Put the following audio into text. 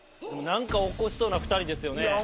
横山：なんか起こしそうな２人ですよね。